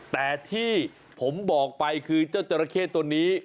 แต่ที่ผมบอกไปคือเจ้าจราเข้ตัวนี้